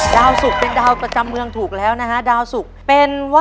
ดาวสุขเป็นดาวประจำเมืองถูกแล้วนะคะ